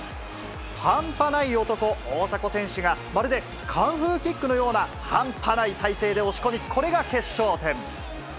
半端ない男、大迫選手が、まるでカンフーキックのような半端ない体勢で押し込み、これが決勝点。